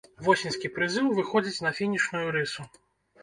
Восеньскі прызыў выходзіць на фінішную рысу.